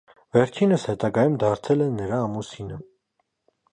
Վերջինս հետագայում դարձել է նրա ամուսինը։